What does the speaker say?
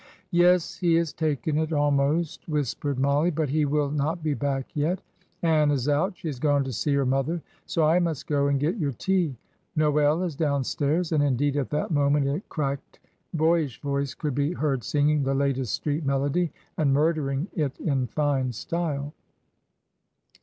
"Yes, he has taken it," almost whispered Mollie, "but he will not be back yet. Ann is out she has gone to see her mother; so I must go and get your tea. Noel is downstairs;" and, indeed, at that moment a cracked, boyish voice could be heard singing the latest street melody, and murdering it in fine style.